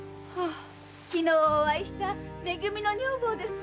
昨日お会いしため組の女房です。